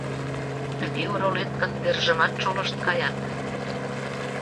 Тыге оролет гын, вержымат шолышт каят!